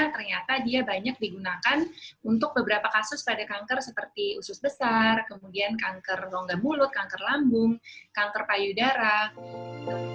ternyata dia banyak digunakan untuk beberapa kasus pada kanker seperti usus besar kemudian kanker rongga mulut kanker lambung kanker payudara